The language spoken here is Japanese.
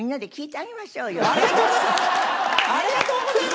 ありがとうございます！